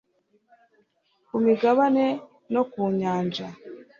Ku migabane no ku nyanja